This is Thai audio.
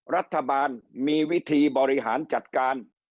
รัฐบาลมีวิธีบริหารจัดการ